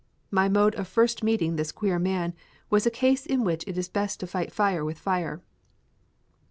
My mode of first meeting this queer man was a case in which it is best to fight fire with fire.